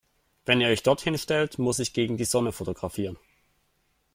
Wenn ihr euch dort hinstellt, muss ich gegen die Sonne fotografieren.